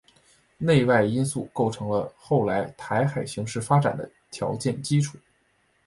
内外因素构成了后来台海形势发展的条件基础。